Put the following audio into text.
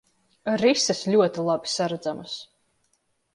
Rises ļoti labi saredzamas.